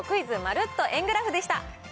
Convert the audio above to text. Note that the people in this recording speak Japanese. まるっと円グラフでした。